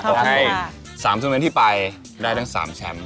ขอให้๓ชั้นเมตรที่ไปได้ทั้ง๓ชั้น